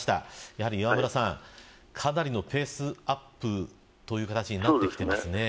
やはり、かなりのペースアップという形になってきていますね。